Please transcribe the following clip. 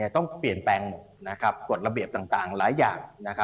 ต้องเปลี่ยนแปลงหมดกฎระเบียบต่างหลายอย่าง